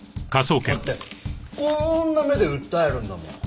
だってこーんな目で訴えるんだもん。